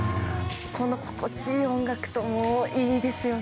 この心地いい音楽いいですよね。